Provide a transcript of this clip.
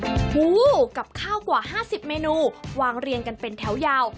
โอ้โหกับข้าวกว่า๕๐เมนูวางเรียงกันเป็นแถวยาว